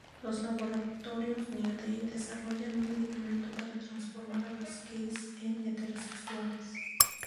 Los laboratorios "New Day" desarrollan un medicamento para transformar a los gays en heterosexuales.